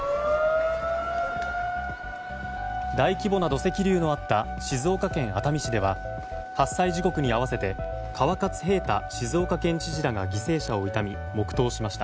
大規模な土石流のあった静岡県熱海市では発災時刻に合わせて川勝平太静岡県知事らが犠牲者を悼み、黙祷しました。